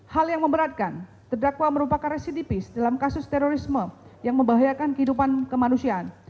hal yang memberatkan terdakwa merupakan residipis dalam kasus terorisme yang membahayakan kehidupan kemanusiaan